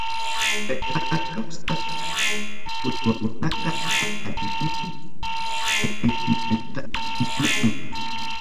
Payqa kawsasqa uywakunata paqarinmun chaynallataq ñuñun.